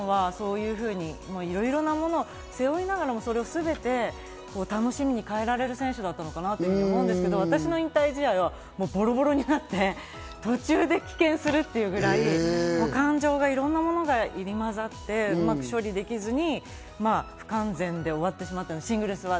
きっと小平さんはそういうふうにいろいろなものを背負いながらも、それをすべて楽しみに変えられる選手だったのかなと思うんですけど、私の引退試合はボロボロになって、途中で棄権するっていうくらい感情が、いろんなものが入りまざって勝利できずに不完全で終わってしまった、シングルスは。